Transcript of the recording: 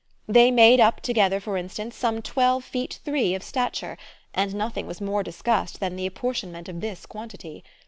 They made up together for instance some twelve feet three of stature, and nothing was more discussed than the apportionment of this quantity.